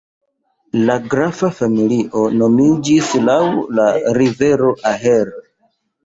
La grafa familio nomiĝis laŭ la rivero Ahr.